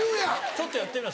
ちょっとやってみな。